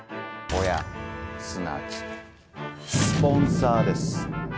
親すなわちスポンサーです。